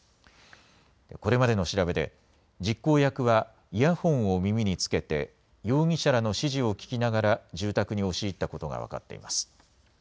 これまでの調べで実行役はイヤホンを耳につけて容疑者らの指示を聞きながら住宅に押し入ったことが分かっています。